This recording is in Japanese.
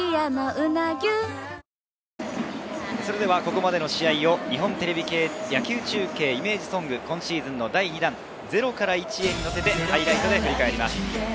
ここまでの試合を日本テレビ系野球中継イメージソング、今シーズン第２弾『ゼロからイチへ』に乗せてハイライトで振り返ります。